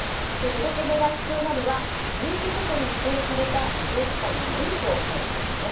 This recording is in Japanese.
届け出が必要なのは地域ごとに指定された医療機関のみとなるんですね。